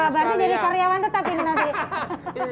wah baru jadi karyawan tetap ini nanti